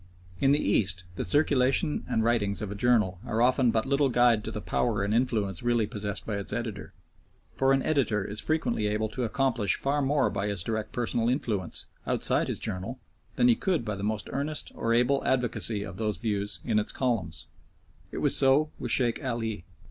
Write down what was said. In the East the circulation and writings of a journal are often but little guide to the power and influence really possessed by its editor, for an editor is frequently able to accomplish far more by his direct personal influence, outside his journal, than he could by the most earnest or able advocacy of those views in its columns. It was so with Sheikh Ali.